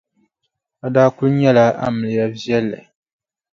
A daa kuli nyɛla amiliya viɛlli.